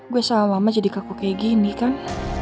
gue selama lama jadi kaku kayak gini kan